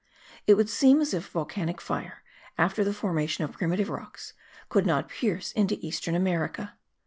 It would seem as if volcanic fire, after the formation of primitive rocks, could not pierce into eastern America.